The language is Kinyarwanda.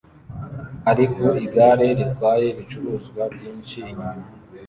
ari ku igare ritwaye ibicuruzwa byinshi inyuma